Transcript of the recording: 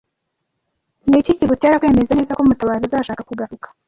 Ni iki kigutera kwemeza neza ko Mutabazi azashaka kugaruka?